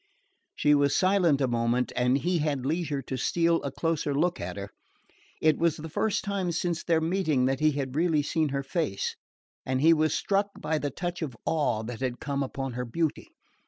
She was silent a moment and he had leisure to steal a closer look at her. It was the first time since their meeting that he had really seen her face; and he was struck by the touch of awe that had come upon her beauty.